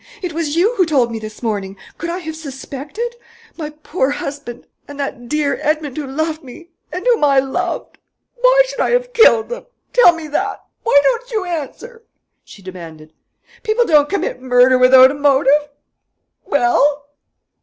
It was you who told me this morning.... Could I have suspected? My poor husband ... and that dear Edmond who loved me ... and whom I loved! Why should I have killed them? Tell me that! Why don't you answer?" she demanded. "People don't commit murder without a motive.... Well?...